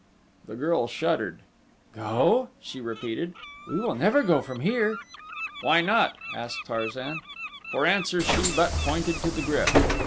The girl shuddered. "Go?" she repeated. "We will never go from here." "Why not?" asked Tarzan. For answer she but pointed to the GRYF.